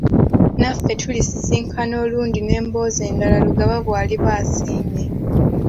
Naffe tulisisinkana olundi n'emboozi endala Lugaba bw'aliba asiimye.